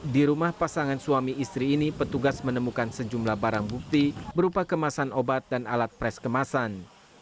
di rumah pasangan suami istri ini petugas menemukan sejumlah barang bukti berupa kemasan obat dan alat pres kemasan